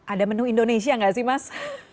ada menu indonesia nggak sih mas